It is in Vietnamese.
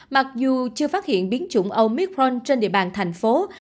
mặc dù chưa phát hiện biến chủng omitforn trên địa bàn thành phố